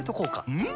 うん！